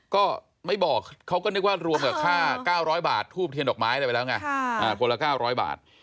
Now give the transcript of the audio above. ก็ไม่บอกเขาก็นึกว่ารวมกับค่า๙๐๐บาททูบเทียนดอกไม้อะไรไปแล้วไงคนละ๙๐๐บาท